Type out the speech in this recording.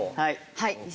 はい。